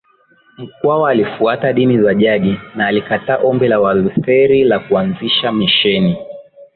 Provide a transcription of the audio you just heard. Mkwawa alifuata dini za jadi na alikataa ombi la Walutheri la kuanzisha misheni